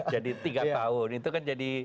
jadi tiga tahun itu kan jadi